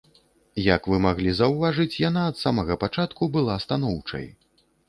Як вы маглі заўважыць, яна ад самага пачатку была станоўчай.